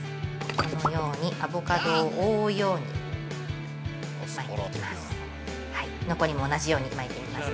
このように、アボカドを覆うように巻いていきます。